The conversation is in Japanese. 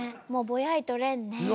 もうぼやいとれんね。